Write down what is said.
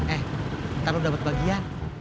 eh ntar lo dapat bagian